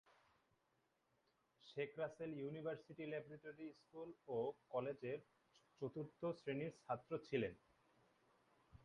Sheikh Russel university laboratory school ও কলেজের চতুর্থ শ্রেণির ছাত্র ছিলেন।